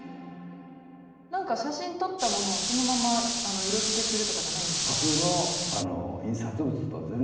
何か写真撮ったものをそのまま色づけするとかじゃないんですか。